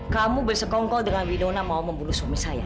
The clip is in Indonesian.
kamu bersekongkol dengan widona mau membunuh suami saya